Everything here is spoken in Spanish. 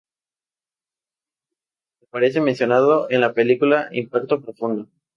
Aparece mencionado en la película Impacto Profundo.